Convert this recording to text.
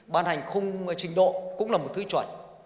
ban hành khung trình độ cũng là một thứ chuẩn